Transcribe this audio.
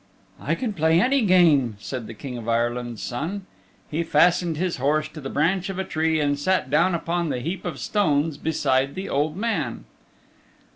"I can play any game," said the King of Ireland's Son. He fastened his horse to the branch of a tree and sat down on the heap of stones beside the old man.